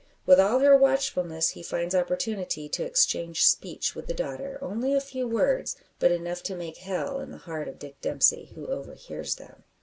With all her watchfulness he finds opportunity to exchange speech with the daughter only a few words, but enough to make hell in the heart of Dick Dempsey, who overhears them.